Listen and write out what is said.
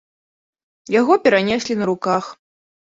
Яго перанеслі на руках.